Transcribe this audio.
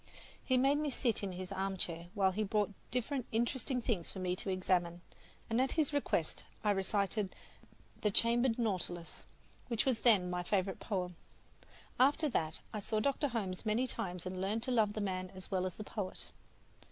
He made me sit in his armchair, while he brought different interesting things for me to examine, and at his request I recited "The Chambered Nautilus," which was then my favorite poem. After that I saw Dr. Holmes many times and learned to love the man as well as the poet.